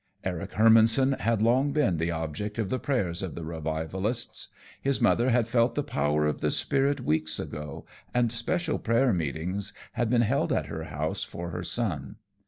Eric Hermannson had long been the object of the prayers of the revivalists. His mother had felt the power of the Spirit weeks ago, and special prayer meetings had been held at her house for her son.